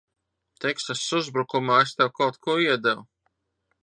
Teksasas uzbrukumā es tev kaut ko iedevu.